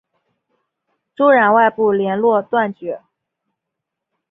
朱然外部连络断绝。